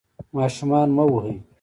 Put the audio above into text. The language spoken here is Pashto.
ماشومان مه وهئ.